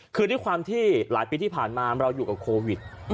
คือด้วยความที่หลายปีที่ผ่านมาเราอยู่กับโควิด